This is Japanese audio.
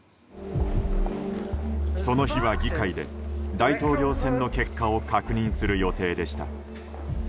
その日は議会で大統領選の結果を確認する予定でした。